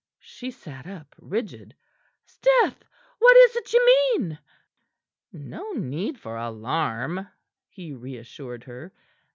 She sat up, rigid. "'Sdeath! What is't ye mean?" "No need for alarm," he reassured her.